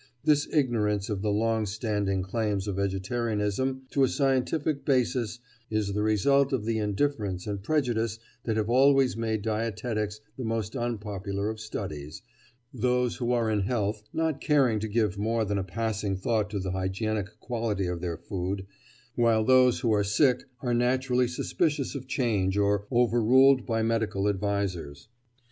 This ignorance of the long standing claims of vegetarianism to a scientific basis is the result of the indifference and prejudice that have always made dietetics the most unpopular of studies, those who are in health not caring to give more than a passing thought to the hygienic quality of their food, while those who are sick are naturally suspicious of change or over ruled by medical advisers.